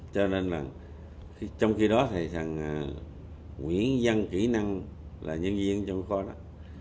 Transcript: cho nên là trong khi đó thầy thằng nguyễn văn kỹ năng là nhân viên trong kho đó